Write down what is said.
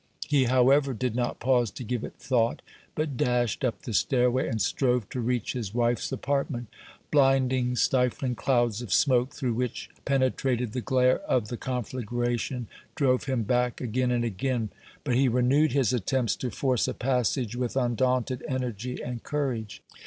He, however, did not pause to give it thought, but dashed up the stairway and strove to reach his wife's apartment; blinding, stifling clouds of smoke, through which penetrated the glare of the conflagration, drove him back again and again, but he renewed his attempts to force a passage with undaunted energy and courage.